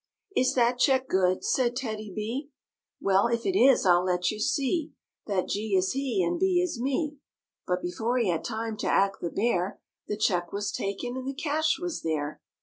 " Is that check good ?" said TEDDY B, "Well, if it is, I'll let you see That G is he and B is me." But before he had time to act the bear The check was taken and the cash was there.